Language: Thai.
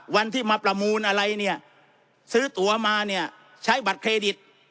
วันที่มาประมูลอะไรเนี่ยซื้อตัวมาเนี่ยใช้บัตรเครดิต